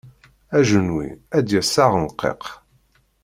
Ajenwi ad d-yas s aεenqiq.